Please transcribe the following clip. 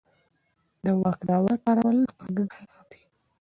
د واک ناوړه کارول د قانون خلاف دي.